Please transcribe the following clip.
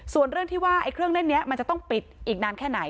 ส่วนเรื่องที่ว่าเครื่องเล่นนี้มันจะต้องปิดอีกนานแค่ไหน